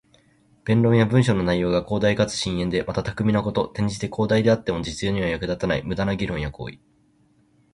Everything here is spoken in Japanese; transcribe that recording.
弁論や文章の内容が広大かつ深遠で、また巧みなこと。転じて、広大ではあっても実用には役立たない無駄な議論や行為。